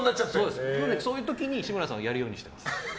そういう時に志村さんをやるようにしてます。